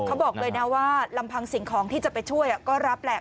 เขาบอกเลยนะว่าลำพังสิ่งของที่จะไปช่วยก็รับแหละ